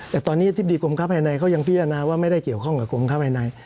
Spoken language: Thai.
แต่ตอนนี้อธิบดีกรมค้าภายในเขายังพิจารณาว่าไม่ได้เกี่ยวข้องกับกรมค้าภายใน